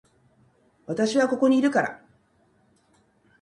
私はここにいるから